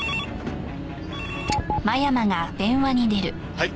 「」はい。